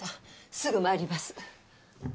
すぐ参ります。